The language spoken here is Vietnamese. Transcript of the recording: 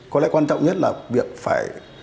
có lẽ quan trọng nhất là việc phải